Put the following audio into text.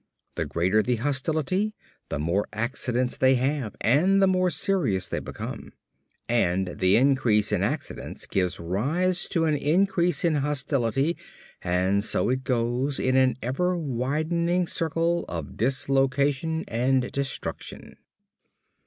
The greater the hostility, the more accidents they have and the more serious they become. And the increase in accidents gives rise to an increase in hostility and so it goes in an ever widening circle of dislocation and destruction.